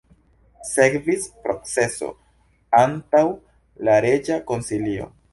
Sekvis proceso antaŭ la reĝa konsilio.